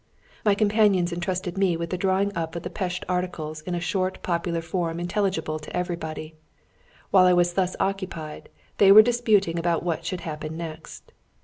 My companions entrusted me with the drawing up of the Pest Articles in a short popular form intelligible to everybody. While I was thus occupied, they were disputing about what should happen next.